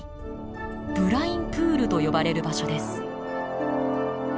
ブラインプールと呼ばれる場所です。